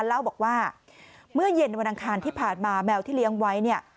เล่าบอกว่าเมื่อเย็นวันอังคารที่ผ่านมาแมวที่เลี้ยงไว้เนี่ย